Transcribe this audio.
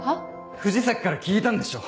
藤崎から聞いたんでしょ？